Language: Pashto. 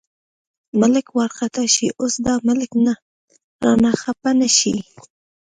ملک وارخطا شي، اوس دا ملک رانه خپه نه شي.